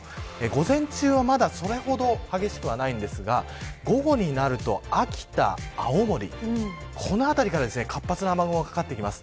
午前中はまだそれほど激しくはないんですが午後になると秋田、青森この辺りから活発な雨雲がかかってきます。